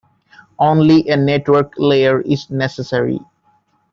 Only a network layer is necessary.